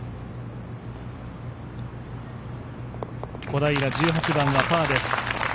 小平、１８番はパーです。